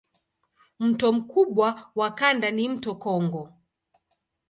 Mto mkubwa wa kanda ni mto Kongo.